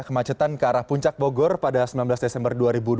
kemacetan ke arah puncak bogor pada sembilan belas desember dua ribu dua puluh